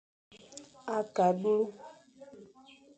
Ake a dulu.